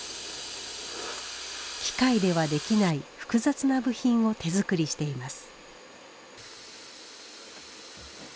機械ではできない複雑な部品を手作りしています。